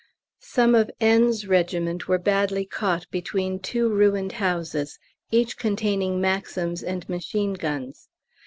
Some of N.'s regiment were badly caught between two ruined houses, each containing Maxims and machine guns.